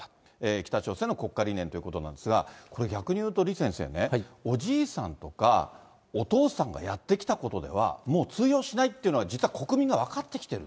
北朝鮮の国家理念ということなんですが、これ逆にいうと李先生ね、おじいさんとかお父さんがやってきたことでは、もう通用しないというのは、実は国民が分かってきてる。